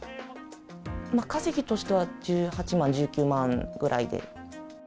稼ぎとしては１８万、１９万ぐらいで。